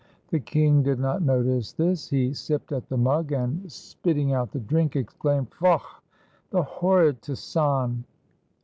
The king did not notice this. He sipped at the mug, and spitting 209 FRANCE out the drink, exclaimed: "Faugh! the horrid ptisan!"